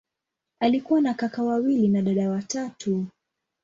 Alikuwa na kaka wawili na dada watatu.